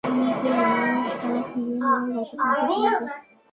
নিজেরটা ফিরিয়ে নেবার গল্প তোমাকে শোনাব।